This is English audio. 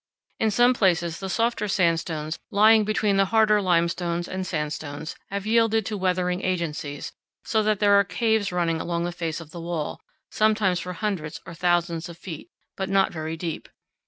In some places the softer sandstones lying between the harder limestones and sandstones have yielded to weathering agencies, so that there are caves running along the face of the wall, sometimes for hundreds or thousands of feet, but not very deep.